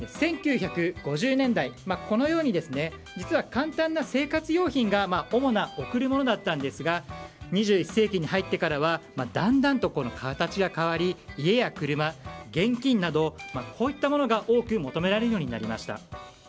１９５０年代はこのように簡単な生活用品が主な贈り物だったんですが２１世紀に入ってからはだんだんと形が変わり家や車、現金などこういったものが多く求められるようになりました。